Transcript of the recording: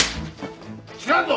知らんぞ！